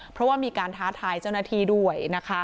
เพราะว่ามีการท้าทายเจ้าหน้าที่ด้วยนะคะ